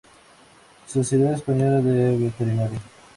Sociedad Española de Veterinaria